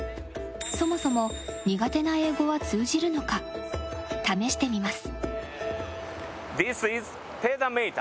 そもそも苦手な英語は通じるのか試してみます。